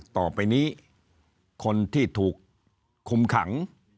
ต่อไปนี้คนที่ถูกคุมขัง